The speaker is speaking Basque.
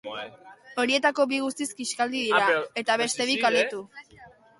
Horietako bi guztiz kiskali dira, eta beste bi kaltetu.